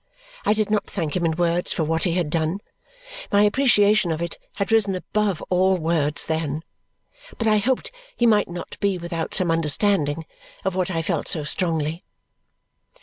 I did not thank him in words for what he had done my appreciation of it had risen above all words then but I hoped he might not be without some understanding of what I felt so strongly.